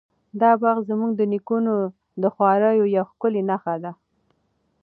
دا باغ زموږ د نیکونو د خواریو یوه ښکلې نښه ده.